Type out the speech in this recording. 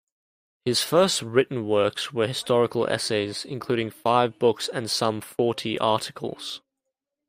His first written works were historical essays, including five books and some forty articles.